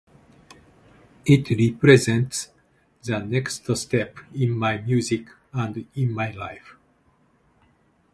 It represents the next step in my music and in my life.